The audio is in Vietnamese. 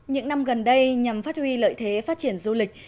những năm gần đây nhằm phát huy lợi thế phát triển du lịch